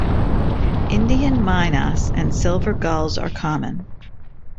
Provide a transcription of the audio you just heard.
Indian mynas and silver gulls are common.